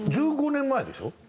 １５年前でしょ？